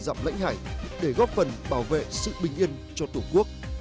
dọc lãnh hải để góp phần bảo vệ sự bình yên cho tổ quốc